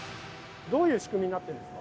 どういう仕組みになってるんですか？